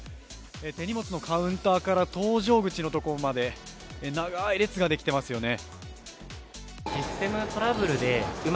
手荷物のカウンターから搭乗口のところまで長い列ができていますよね。